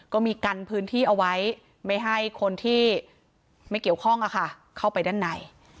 ก็มีกันพื้นที่เอาไว้ไม่ให้คนที่ไม่เกี่ยวข้องเข้าไปด้านใน